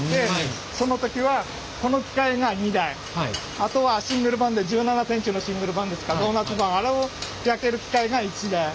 あとはシングル盤で１７センチのシングル盤ですかドーナツ盤あれを焼ける機械が１台。